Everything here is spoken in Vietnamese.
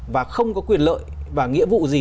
và không có quyền lợi và nghĩa vụ gì